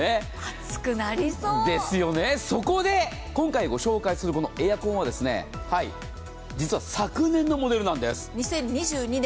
そこで今回ご紹介するエアコンは実は昨年のモデルなんです。